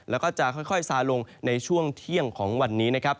แล้วก็จะค่อยซาลงในช่วงเที่ยงของวันนี้นะครับ